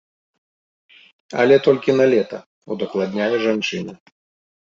Але толькі на лета, удакладняе жанчына.